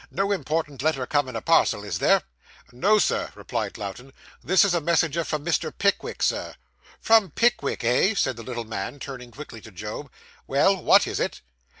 No important letter come in a parcel, is there?' 'No, Sir,' replied Lowten. 'This is a messenger from Mr. Pickwick, Sir.' 'From Pickwick, eh?' said the little man, turning quickly to Job. 'Well, what is it?